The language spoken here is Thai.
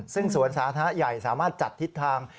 ซึ่งสวนสาธารณะใหญ่สามารถจัดทิศทาง